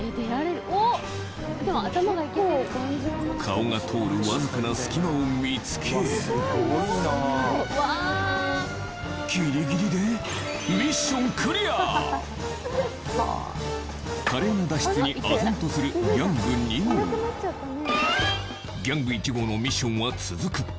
顔が通るわずかな隙間を見つけギリギリで華麗な脱出にあぜんとするギャング２号ギャング１号のミッションは続く